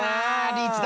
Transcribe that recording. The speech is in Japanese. リーチが。